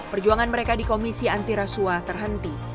perjuangan mereka di komisi anti rasuah terhenti